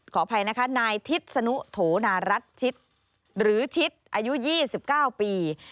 ขออภัยนะคะนายทิศนุโถนารัฐชิตหรือชิดอายุ๒๙ปี